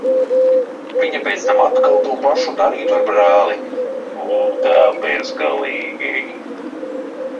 Viņa pēc tam atkal to pašu darītu ar brāli. Un tā bezgalīgi.